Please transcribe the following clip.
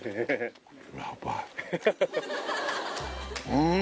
うん